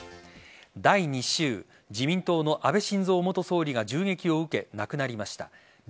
第２週自民党の安倍晋三元総理が銃撃を受け亡くなりました。